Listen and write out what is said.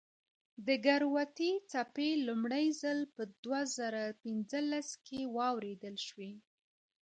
د ګرویتي څپې لومړی ځل په دوه زره پنځلس کې واورېدل شوې.